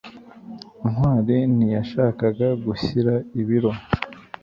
Ntwali ntiyashakaga gushyira ibiro.